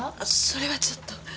それはちょっと。